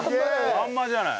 まんまじゃない！